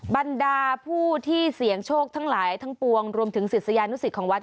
บรรดาผู้ที่เสี่ยงโชคทั้งหลายทั้งปวงรวมถึงศิษยานุสิตของวัด